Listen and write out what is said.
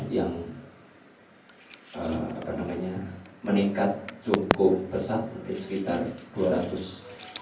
yang meningkat cukup besar mungkin sekitar dua ratus dua ratus an persen